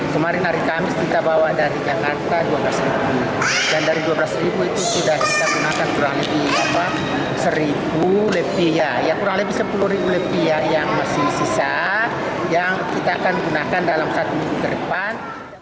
kurang lebih sepuluh lebih yang masih sisa yang kita akan gunakan dalam satu minggu ke depan